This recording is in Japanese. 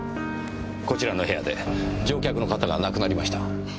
こちらの部屋で乗客の方が亡くなりました。